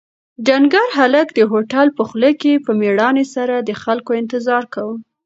ډنکر هلک د هوټل په خوله کې په مېړانې سره د خلکو انتظار کاوه.